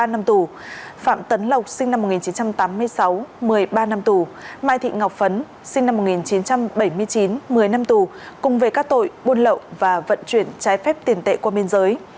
một mươi năm tù phạm tấn lộc sinh năm một nghìn chín trăm tám mươi sáu một mươi ba năm tù mai thị ngọc phấn sinh năm một nghìn chín trăm bảy mươi chín một mươi năm tù cùng về các tội buôn lậu và vận chuyển trái phép tiền tệ qua biên giới